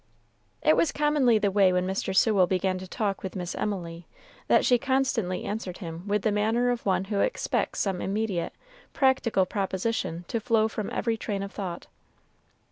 It was commonly the way when Mr. Sewell began to talk with Miss Emily, that she constantly answered him with the manner of one who expects some immediate, practical proposition to flow from every train of thought.